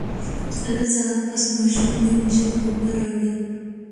لږ ساعت پس ماشوم نيم جګ اوبۀ راوړې